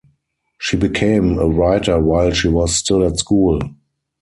She became a writer while she was still at school.